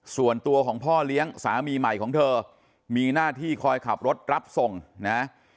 ส่วนตัวของพ่อเลี้ยงสามีใหม่ของเธอมีหน้าที่คอยขับรถรับส่งนะ